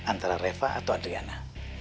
antara reva atau adriana